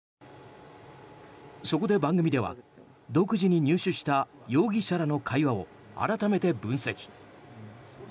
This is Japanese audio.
そこで番組では独自に入手した容疑者らの会話を改めて分析。